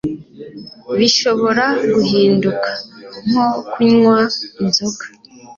bishobora guhinduka nko kunywa inzoga